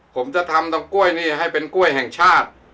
ผมจะทำตำกล้วยนี่ให้เป็นกล้วยแห่งชาติ